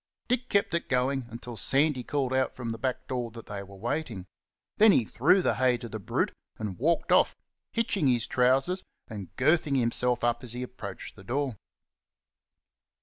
Dick kept it going until Sandy called out from the back door that they were waiting; then he threw the hay to the brute and walked off, hitching his trousers and girthing himself up as he approached the door.